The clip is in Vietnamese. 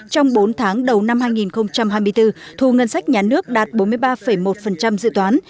trong bốn tháng đầu năm hai nghìn hai mươi bốn thu ngân sách nhà nước đạt bốn mươi ba một dự toán